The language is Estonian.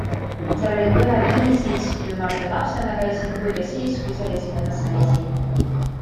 Seal oli põnev nii siis, kui ma seal lapsena käisin, kui ka siis, kui seal esinemas käisin.